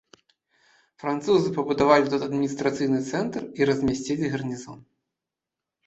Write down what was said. Французы пабудавалі тут адміністрацыйны цэнтр і размясцілі гарнізон.